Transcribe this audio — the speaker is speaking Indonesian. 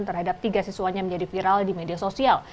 terhadap tiga siswanya menjadi viral di media sosial